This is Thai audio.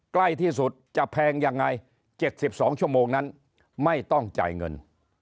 ใกล้ที่สุดจะแพงยังไง๗๒ชั่วโมงนั้นไม่ต้องจ่ายเงิน